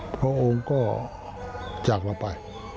พระองค์ก็จากเราไป